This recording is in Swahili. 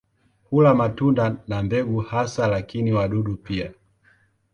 Hula matunda na mbegu hasa lakini wadudu pia.